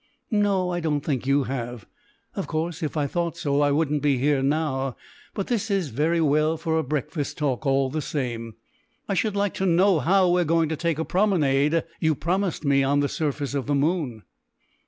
"No, I don't think you have. Of course if I thought so I wouldn't be here now. But this is very well for a breakfast talk; all the same, I should like to know how we are going to take the promenade you promised me on the surface of the moon?"